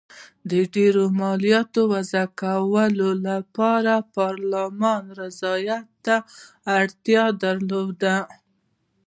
د ډېرو مالیاتو وضعه کولو لپاره پارلمان رضایت ته اړتیا درلوده.